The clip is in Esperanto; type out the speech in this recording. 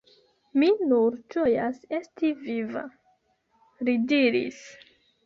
Mi nur ĝojas esti viva, – li diris.